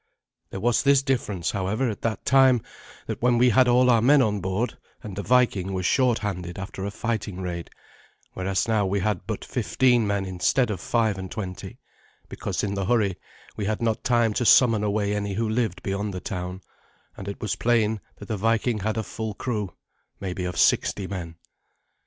There was this difference, however, at that time, that then we had all our men on board, and the Viking was short handed after a fighting raid, whereas now we had but fifteen men instead of five and twenty, because in the hurry we had not had time to summon any who lived beyond the town, and it was plain that the Viking had a full crew, maybe of sixty men.